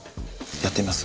やってみます。